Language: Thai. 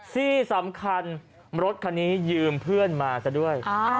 ที่สำคัญรถคันนี้ยืมเพื่อนมาซะด้วย